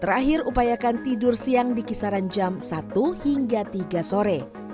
terakhir upayakan tidur siang di kisaran jam satu hingga tiga sore